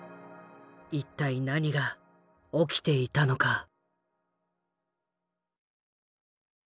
一体何が起きていたのか？